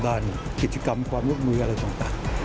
ด้านกิจกรรมความลูกมืออะไรต่าง